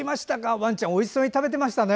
ワンちゃんおいしそうに食べてましたね。